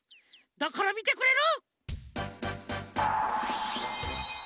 だからみてくれる？